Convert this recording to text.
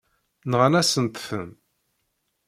Nɣan-asent-ten.